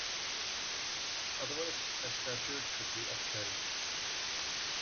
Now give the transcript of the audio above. Otherwise, a statute should be upheld.